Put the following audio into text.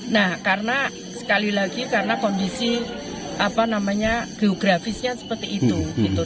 nah karena sekali lagi karena kondisi geografisnya seperti itu